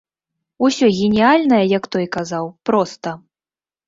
Усё геніяльнае, як той казаў, проста.